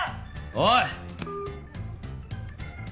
おい！